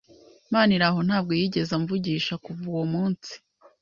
Maniraho ntabwo yigeze amvugisha kuva uwo munsi